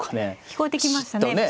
聞こえてきましたね